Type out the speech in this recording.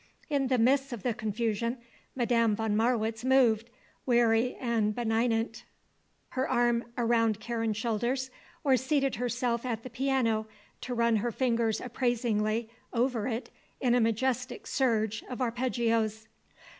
In the midst of the confusion Madame von Marwitz moved, weary and benignant, her arm around Karen's shoulders, or seated herself at the piano to run her fingers appraisingly over it in a majestic surge of arpeggios.